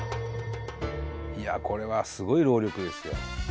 いやこれはすごい労力ですよ。